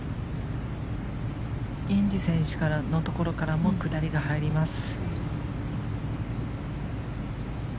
インジ選手のところからも下りが入ります。